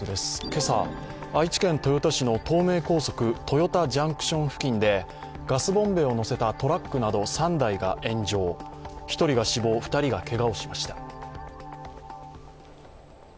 今朝、愛知県豊田市の東名高速豊田ジャンクション付近でガスボンベを載せたトラックなど３台が炎上、１人が死亡、２人がけがをしました。